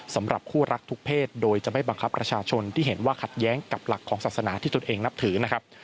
สำหรับคู่รักทุกเพศโดยจะไม่บังคับประชาชนที่เห็นว่าขัดแย้งกับหลักของศาสนาที่ตนเองนับถือนะครับ